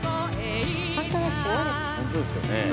本当ですよでも。